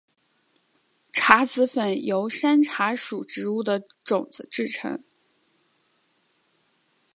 茶籽粉由山茶属植物的种子制成。